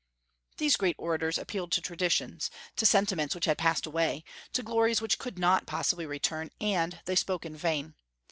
These great orators appealed to traditions, to sentiments which had passed away, to glories which could not possibly return; and they spoke in vain.